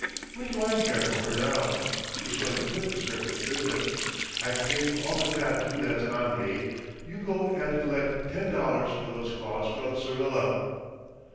What do I care for her now? She's going to quit the circus business. I've paid for all the tattoo that's on me; you go and collect ten dollars for those claws from Syrilla."